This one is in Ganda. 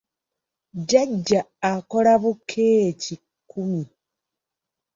Jjajja akola bu keeki kkumi.